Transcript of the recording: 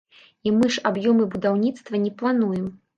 І мы ж аб'ёмы будаўніцтва не плануем.